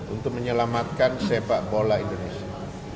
untuk menyelamatkan sepak bola indonesia